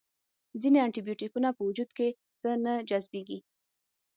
ځینې انټي بیوټیکونه په وجود کې ښه نه جذبیږي.